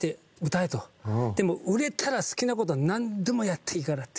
「売れたら好きな事なんでもやっていいから」って。